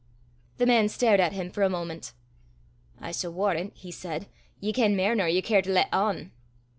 The man stared at him for a moment. "I s' warran'," he said, "ye ken mair nor ye care to lat on!"